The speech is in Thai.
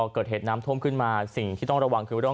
เกิดเหตุน้ำท่วมขึ้นมาสิ่งที่ต้องระวังคือเรื่อง